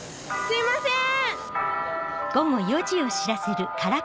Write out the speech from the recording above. すいません！